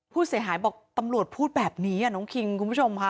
ผู้เสียหายบอกตำรวจพูดแบบนี้น้องคิงคุณผู้ชมค่ะ